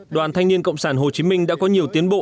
đoàn thanh niên cộng sản hồ chí minh đã có nhiều tiến bộ